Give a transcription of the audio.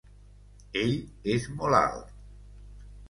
Ell és molt alt.